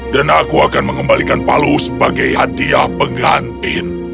dan aku akan mengembalikan palu sebagai hadiah pengantin